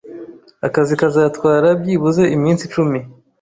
Akazi kazatwara byibuze iminsi icumi.